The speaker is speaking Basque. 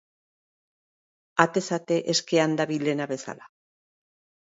Atez ate eskean dabilena bezala.